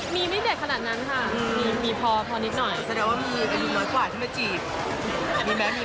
มีไม่เด็ดขนาดนั้นค่ะมีพอพอนิกหน่อย